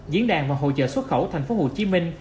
diễn đàn và hỗ trợ xuất khẩu thành phố hồ chí minh